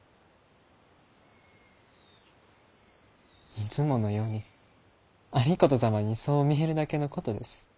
いつものように有功様にそう見えるだけのことです。